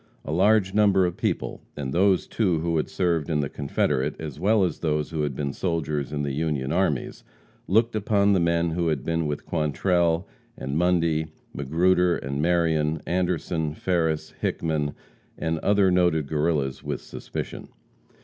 A large number of people, and those, too, who had served in the Confederate, as well as those who had been soldiers in the Union armies, looked upon the men who had been with Quantrell, and Mundy, Magruder and Marion, Anderson, Farris, Hickman and other noted Guerrillas, with suspicion.